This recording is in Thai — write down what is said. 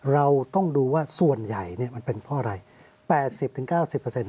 เราต้องดูว่าส่วนใหญ่มันเป็นเพราะอะไร๘๐๙๐